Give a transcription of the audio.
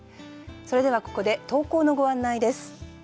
それではここで投稿のご案内です。